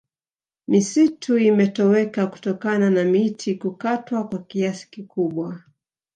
misitu imetoweka kutokana na miti kukatwa kwa kiasi kikubwa